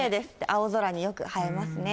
青空によくはえますね。